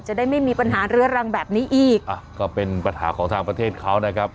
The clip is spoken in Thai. จะได้ไม่มีปัญหาเรื้อรังแบบนี้อีกอ่ะก็เป็นปัญหาของทางประเทศเขานะครับ